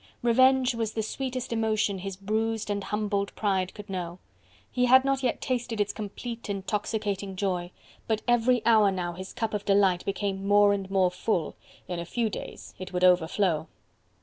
Revenge was the sweetest emotion his bruised and humbled pride could know: he had not yet tasted its complete intoxicating joy: but every hour now his cup of delight became more and more full: in a few days it would overflow.